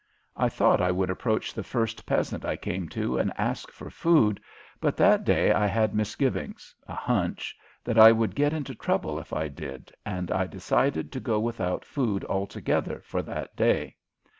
I thought I would approach the first peasant I came to and ask for food, but that day I had misgivings a hunch that I would get into trouble if I did, and I decided to go without food altogether for that day.